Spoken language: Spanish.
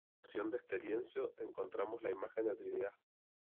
En la culminación de este lienzo encontramos la imagen de la Trinidad.